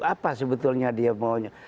apa sebetulnya dia mau